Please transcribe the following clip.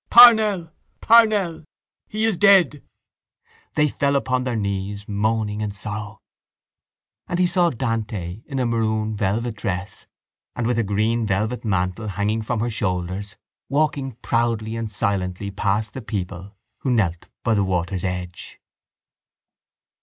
—Parnell! Parnell! He is dead! They fell upon their knees, moaning in sorrow. And he saw Dante in a maroon velvet dress and with a green velvet mantle hanging from her shoulders walking proudly and silently past the people who knelt by the water's edge.